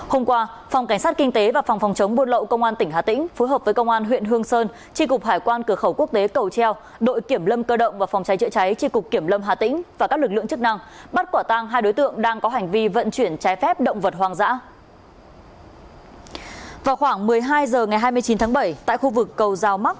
hôm qua phòng cảnh sát kinh tế và phòng phòng chống buôn lậu công an tỉnh hà tĩnh phối hợp với công an huyện hương sơn tri cục hải quan cửa khẩu quốc tế cầu treo đội kiểm lâm cơ động và phòng cháy chữa cháy tri cục kiểm lâm hà tĩnh và các lực lượng chức năng bắt quả tang hai đối tượng đang có hành vi vận chuyển trái phép động vật hoang dã